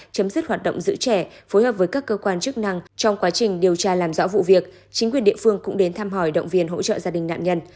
chấm dứt hoạt động giữ trẻ phối hợp với các cơ quan chức năng trong quá trình điều tra làm rõ vụ việc chính quyền địa phương cũng đến thăm hỏi động viên hỗ trợ gia đình nạn nhân